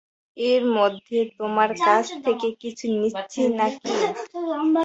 এর মধ্যে তোমার কাছ থেকে কিছু নিয়েছি নাকি।